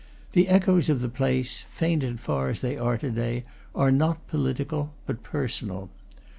The echoes of the place, faint and far as they are to day, are not political, but personal.